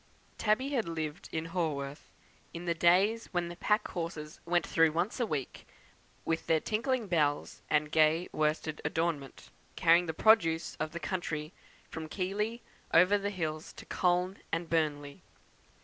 Tabby had lived in Haworth in the days when the pack horses went through once a week, with their tinkling bells and gay worsted adornment, carrying the produce of the country from Keighley over the hills to Colne and Burnley.